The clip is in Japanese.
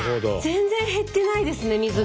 全然減ってないですね水が。